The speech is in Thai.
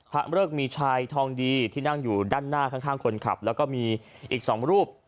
เริกมีชัยทองดีที่นั่งอยู่ด้านหน้าข้างคนขับแล้วก็มีอีก๒รูป